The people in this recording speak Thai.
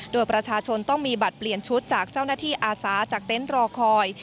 โดยประชาชนต้องมีบัตรเปลี่ยนชุดจากเจ้าหน้าที่อาสาจากเต็นต์รอคอย